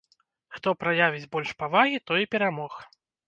Хто праявіць больш павагі, той і перамог.